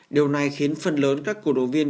điều này khiến phần lớn các cổ động viên